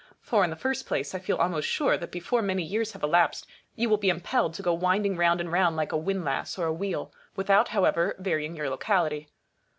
For, in the first place, I feel almost sure that before many years have elapsed you will be impelled to go winding round and round like a windlass, or a wheel, without however varying your locality.